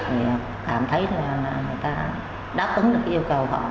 thì cảm thấy là người ta đáp ứng được yêu cầu họ